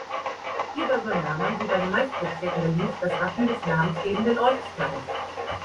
Hierbei übernahm man, wie bei den meisten Bezirken Berlins, das Wappen des namensgebenden Ortsteils.